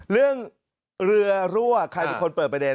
เรื่องเรือรั่วใครเป็นคนเปิดประเด็น